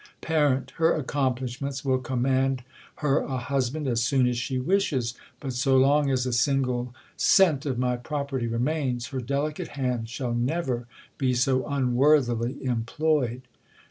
Tar, Her accomplishments will command her a hus band as soon as she wishes. But so long as a single cent of my property remains, her delicate hands shall never be so unworthily employed.